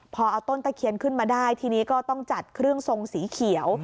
พอเอาต้นตะเคียนขึ้นมาได้ทีนี้ก็ต้องจัดเครื่องทรงสีเขียว